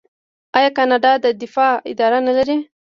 آیا کاناډا د دفاع اداره نلري؟